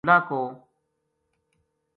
کھٹانہ عبداللہ کو